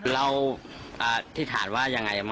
เราทิศาธิ์ว่าอย่างไรมั้งฮะ